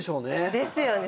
ですよね。